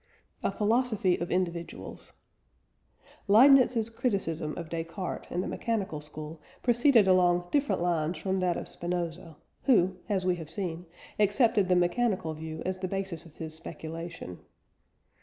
A PHILOSOPHY OF INDIVIDUALS. Leibniz's criticism of Descartes and the mechanical school proceeded along different lines from that of Spinoza, who, as we have seen, accepted the mechanical view as the basis of his speculation.